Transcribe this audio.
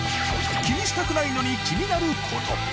気にしたくないのに気になる事。